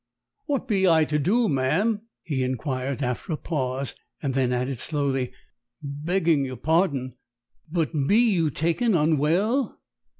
"What be I to do, ma'am?" he inquired, after a pause, and then added slowly, "Beggin' your pardon, but be you taken unwell?"